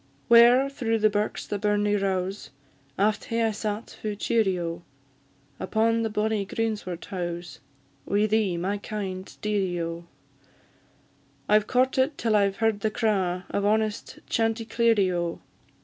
Whare through the birks the burnie rows, Aft hae I sat fu' cheerie, O! Upon the bonny greensward howes, Wi' thee, my kind dearie, O! I've courted till I've heard the craw Of honest chanticleerie, O!